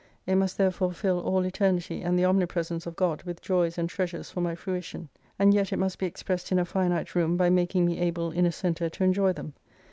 It must therefore fill all Eternity and the Omnipresence of God with joys and treasures for my fruition. And yet it must be expressed in a finite room by making me able in a centre to enjoy them.